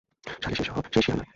শালী শেষই হয় না।